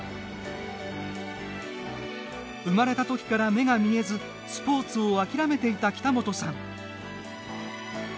生まれたときから目が見えずスポーツを諦めていた北本さん。